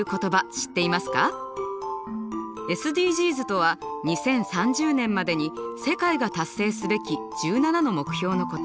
ＳＤＧｓとは２０３０年までに世界が達成すべき１７の目標のこと。